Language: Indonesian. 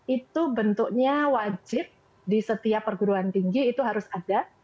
itu bentuknya wajib di setiap perguruan tinggi itu harus ada